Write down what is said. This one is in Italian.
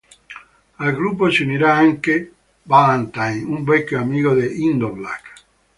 Al gruppo si unirà anche Ballantine, un vecchio amico di Indio Black.